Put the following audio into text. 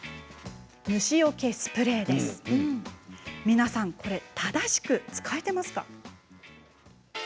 皆さん、正しく使えていますか。